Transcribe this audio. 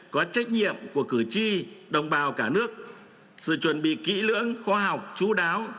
có trách nhiệm của cử tri đồng bào cả nước sự chuẩn bị kỹ lưỡng khoa học chú đáo